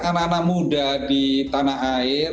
anak anak muda di tanah air